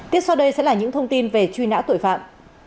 tiếp sau đây sẽ là những thông tin về truy nã tội phạm